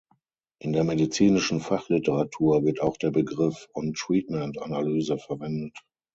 In der medizinischen Fachliteratur wird auch der Begriff "On-treatment-Analyse" verwendet.